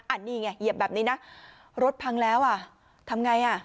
อันนี้ไงเหยียบแบบนี้นะรถพังแล้วอ่ะทำไงอ่ะ